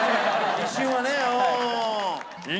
一瞬はね。